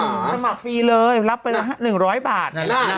สมัครฟรีเลยรับไปเลยฮะ๑๐๐บาท